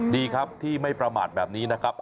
ดีครับที่ไม่ประมาทแบบนี้นะครับ